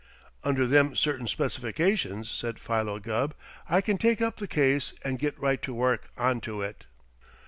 "Under them certain specifications," said Philo Gubb, "I can take up the case and get right to work onto it."